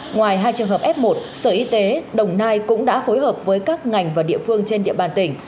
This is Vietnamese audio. ngoài hai trường hợp f một sở y tế đồng nai cũng đã phối hợp với các ngành và địa phương trên địa bàn tỉnh